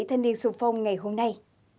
thanh niên xung phong ngày hôm nay